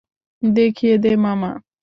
দেখিয়ে দে মামা।